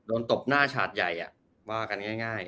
โดนตบหน้าชาติใหญ่ว่ากันง่าย